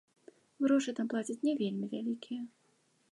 Грошы там плацяць не вельмі вялікія.